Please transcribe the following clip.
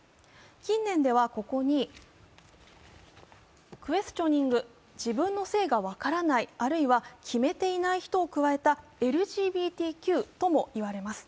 近年ではここにクエスチョニング＝自分の性が分からないあるいは決めていない人を加えたＬＧＢＴＱとも言われます。